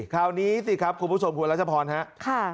คราวนี้สิครับคุณผู้ชมคุณรัชพรครับ